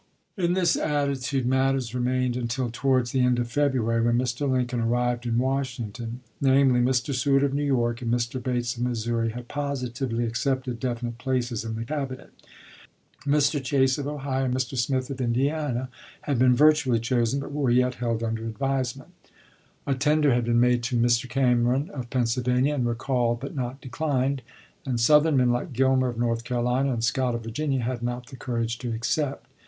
In this attitude matters remained until towards the end of February, when Mr. Lincoln arrived in Washington; namely, Mr. Seward, of New York, and Mr. Bates, of Missouri, had positively accepted definite places in the Cabinet ; Mr. Chase, of Ohio, and Mr. Smith, of Indiana, had been virtually chosen, but were yet held under advisement; a LINCOLN'S CABINET 367 tender had been made to Mr. Cameron, of Pennsyl ch. xxii. vania, and recalled but not declined ; and Southern men, like Gilmer, of North Carolina, and Scott, of Virginia, had not the courage to accept.